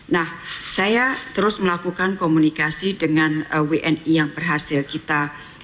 nah saya terus melakukan komunikasi dengan wni yang berhasil kita